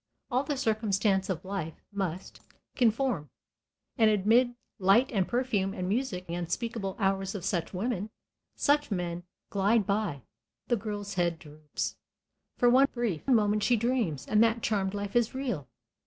All the circumstance of life must conform, and amid light and perfume and music the unspeakable hours of such women, such men, glide by. The girl's head droops. For one brief moment she dreams, and that charmed life is real.